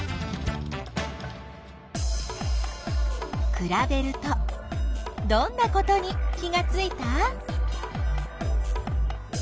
くらべるとどんなことに気がついた？